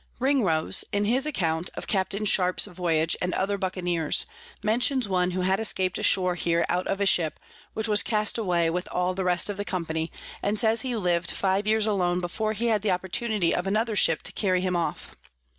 Ringrose in his Account of Capt. Sharp's Voyage and other Buccaneers, mentions one who had escap'd ashore here out of a Ship which was cast away with all the rest of the Company, and says he liv'd five years alone before he had the opportunity of another Ship to carry him off.